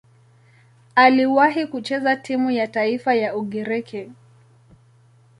Aliwahi kucheza timu ya taifa ya Ugiriki.